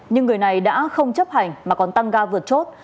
nhưng người này đã không chấp hành mà còn tăng ga vượt chốt